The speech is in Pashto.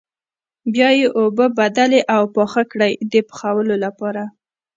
بیا یې اوبه بدلې او پاخه کړئ د پخولو لپاره.